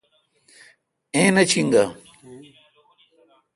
ایں نہ چینگہ۔۔